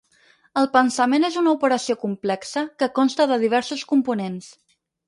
El pensament és una operació complexa que consta de diversos components.